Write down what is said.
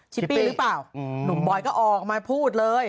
ฉิปปี้นุ่มปล่อยก็ออกมาพูดเลย